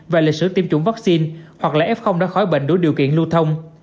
và lịch sử tiêm chủng vaccine hoặc là f đã khỏi bệnh đối điều kiện lưu thông